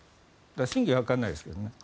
真偽はわからないですけどね。